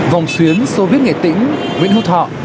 vòng xuyến soviet nghệ tĩnh nguyễn hút họ